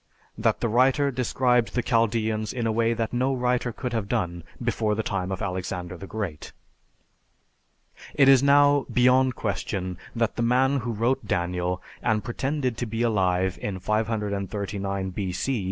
That the writer described the Chaldeans in a way that no writer could have done before the time of Alexander the Great. It is now beyond question that the man who wrote Daniel, and pretended to be alive in 539 B.C.